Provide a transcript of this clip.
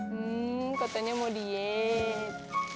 hmm katanya mau diet